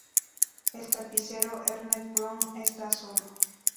El tapicero Ernest Brown está solo.